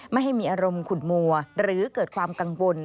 ไม่ให้มีอารมณ์ขุดมัวหรือเกิดความกังวล